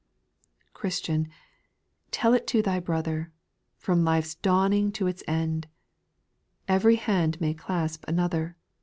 3. Christian, tell it to thy brother, From life's dawning to its end ; Every hand may clasp another.